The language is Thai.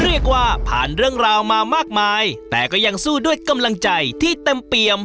เรียกว่าผ่านเรื่องราวมามากมายแต่ก็ยังสู้ด้วยกำลังใจที่เต็มเปี่ยม